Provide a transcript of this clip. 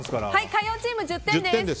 火曜チームが１０点です。